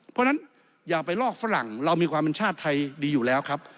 เพราะฉะนั้นอย่าไปลอกฝรั่งเรามีความเป็นชาติไทยดีอยู่แล้วครับ